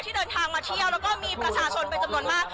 เดินทางมาเที่ยวแล้วก็มีประชาชนเป็นจำนวนมาก